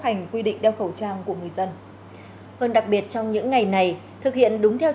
hành quy định đeo khẩu trang của người dân vâng đặc biệt trong những ngày này thực hiện đúng theo